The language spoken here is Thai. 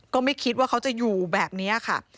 ก็ไม่คิดว่าเขาจะอยู่แบบนี้ค่ะ